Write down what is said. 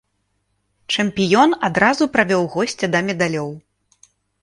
Чэмпіён адразу правёў госця да медалёў.